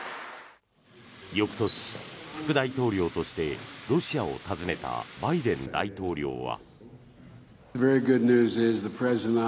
翌年、副大統領としてロシアを訪ねたバイデン大統領は。